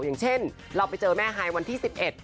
อย่างเช่นเราไปเจอแม่ฮายวันที่๑๑